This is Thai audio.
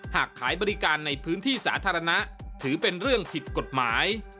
หากขายบริการในพื้นที่สาธารณะถือเป็นเรื่องผิดกฎหมาย